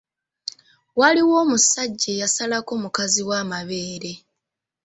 Waliwo omusajja eyasalako mukazi we amabeere!